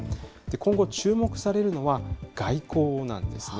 今後注目されるのは、外交なんですね。